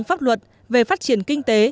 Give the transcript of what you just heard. hệ thống pháp luật về phát triển kinh tế